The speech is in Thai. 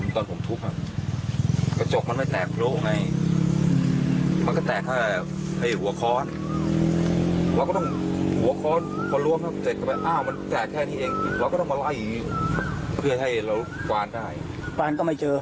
ต้องให้เรากวานได้กวานก็ไม่เจอ